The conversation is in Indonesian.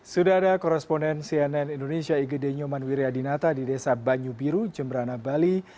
sudara korresponden cnn indonesia igd nyoman wiryadinata di desa banyu biru jemberana bali